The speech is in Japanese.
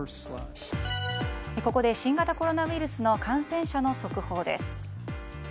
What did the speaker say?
ここで新型コロナウイルスの感染者の速報です。